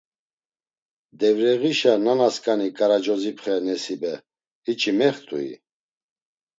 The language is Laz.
Devreğişa nanasǩani K̆aracozipxe Nesibe hiç̌i mext̆ui?